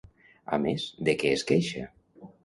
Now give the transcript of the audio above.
A més, de què es queixa?